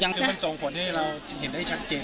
ถึงมันส่งผลให้เราเห็นได้ชัดเจน